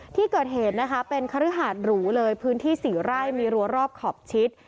ที่เกิดเหตุนะคะเป็นคฤหาดหรูเลยพื้นที่๔ไร่มีรัวรอบขอบชิด